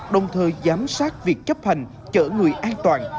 đồng thời giám sát việc chấp hành chở người an toàn